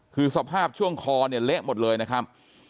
คือสภาพช่วงคอเนี่ยเละหมดเลยนะครับ